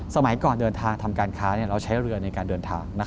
สมัยก่อนเดินทางทำการค้าเราใช้เรือในการเดินทาง